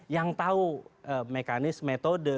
yang tahu mekanis metode